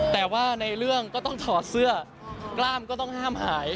แต่ว่าในเรื่องก็ต้องถอดเสื้อกล้ามก็ต้องห้ามหาย